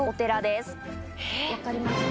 分かりますか？